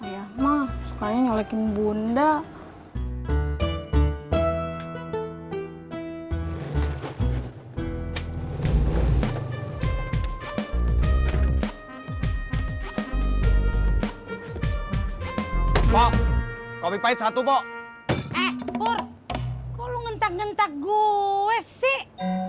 ya mah sukanya ngelekin bunda mau kopi pahit satu kok ngentak ngentak gue sih